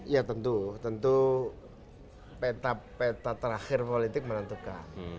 ya tentu tentu peta peta terakhir politik menentukan